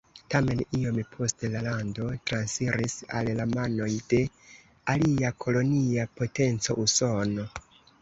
Tamen iom poste la lando transiris al la manoj de alia kolonia potenco Usono.